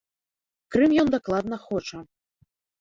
Крым ён дакладна хоча.